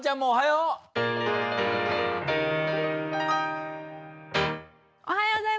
おはよう！